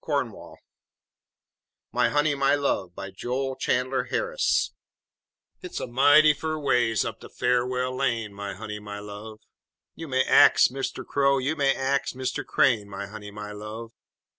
] MY HONEY, MY LOVE BY JOEL CHANDLER HARRIS Hit's a mighty fur ways up de Far'well Lane, My honey, my love! You may ax Mister Crow, you may ax Mr. Crane, My honey, my love!